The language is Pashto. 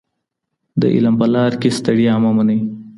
د علم په لاره کي ستړيا مه منئ.